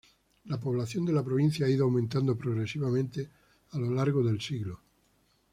La población de la provincia ha ido aumentando progresivamente a lo largo del siglo.